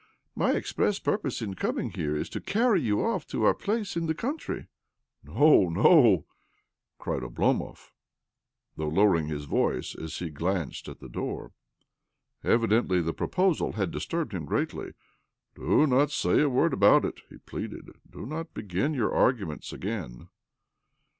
My express purpose in coming here is to carry you off to our place in the country." " No, no !" cried Oblomov, though lower ing his voice as he glanced at the door. Evidently the proposal had disturbed him greatly. "Do not say a word about it," he pleaded. " Do not begin your arguments again."